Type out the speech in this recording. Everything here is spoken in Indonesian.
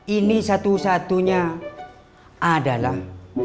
ini satu satunya adalah